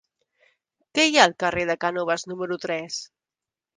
Què hi ha al carrer de Cànoves número tres?